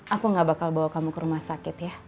aku gak bakal bawa kamu ke rumah sakit ya